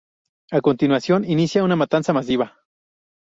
A continuación, inicia una matanza masiva.